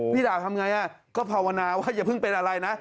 ด่าทำไงก็ภาวนาว่าอย่าเพิ่งเป็นอะไรนะ